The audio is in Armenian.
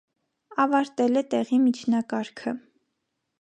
Ավարտել է տեղի միջնակարգը։